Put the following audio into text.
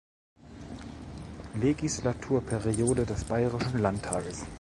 Legislaturperiode des Bayerischen Landtages.